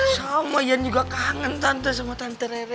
sama iyan juga kangen tante sama tante rere